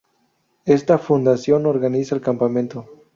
Esta fundación organiza el campamento.